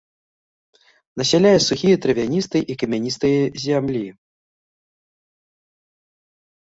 Насяляе сухія травяністыя і камяністыя зямлі.